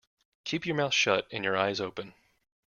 Keep your mouth shut and your eyes open.